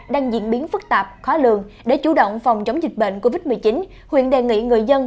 đang diễn biến phức tạp khó lường để chủ động phòng chống dịch bệnh covid một mươi chín huyện đề nghị người dân